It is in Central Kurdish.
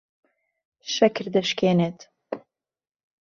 شەکر دەشکێنێت.